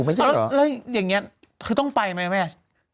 อยู่ไม่ใช่เหรอแล้วอย่างเงี้ยคือต้องไปมั้ยแม่